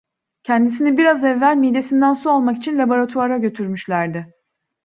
Kendisini biraz evvel midesinden su almak için laboratuvara götürmüşlerdi.